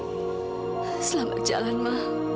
ate selamat jalan ma